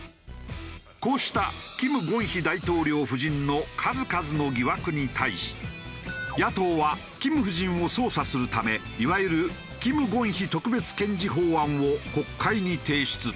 こうした金建希大統領夫人の数々の疑惑に対し野党は金夫人を捜査するためいわゆる金建希特別検事法案を国会に提出。